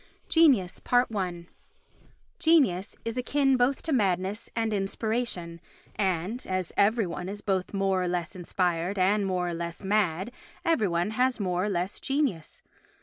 Genius i Genius is akin both to madness and inspiration and, as every one is both more or less inspired and more or less mad, every one has more or less genius.